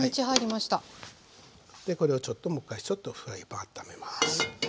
でこれをちょっともう１回フライパンをあっためます。